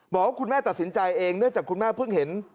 บอกว่าคุณแม่ตัดสินใจเองเนื่องจากคุณแม่เพิ่งเห็น